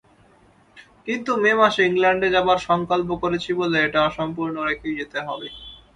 কিন্তু মে মাসে ইংলণ্ডে যাবার সঙ্কল্প করেছি বলে এটা অসম্পূর্ণ রেখেই যেতে হবে।